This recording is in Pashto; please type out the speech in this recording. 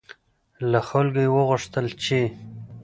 له خلکو یې وغوښتل چې